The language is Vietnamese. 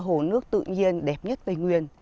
là hồ nước tự nhiên đẹp nhất về nguyên